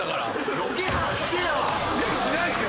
ロケハンしてよ。